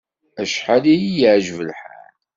Acḥal i y-iεǧeb lḥal!